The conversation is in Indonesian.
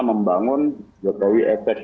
membangun jokowi efek